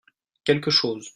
quelque chose.